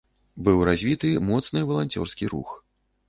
Быў развіты моцны валанцёрскі рух.